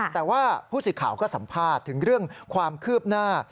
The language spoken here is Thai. แต่ว่าผู้สื่อข่าวก็สัมภาษณ์ถึงเรื่องความคืบหน้า